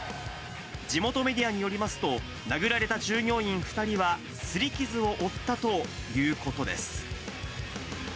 地元メディアによりますと、殴られた従業員２人はすり傷を負ったということです。